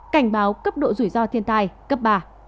cảnh báo cấp độ rủi ro thiên tai cấp ba